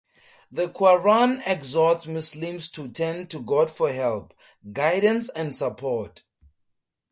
The Qur'an exhorts Muslims to turn to God for help, guidance and support.